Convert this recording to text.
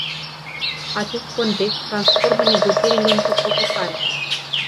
Acest context transformă negocierile într-o provocare.